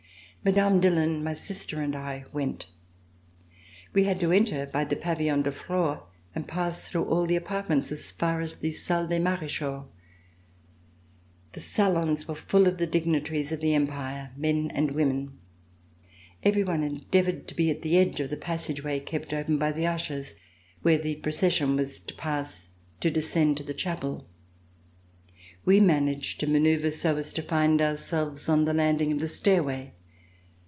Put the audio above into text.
Mme. Dillon, my sister and I went. We had to enter by the Pavilion de Flore and pass through all the apartments, as far as the Salle des Marechaux. The salons were full of the dignitaries of the Em})ire, men and women. Every one endeavored to be at the edge of the passage way, kept open by the ushers, where the procession was to pass to descend to the chapel. We managed to manoeuvre so as to find ourselves on the landing of the stairway.